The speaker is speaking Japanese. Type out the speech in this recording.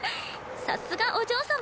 さすがお嬢様。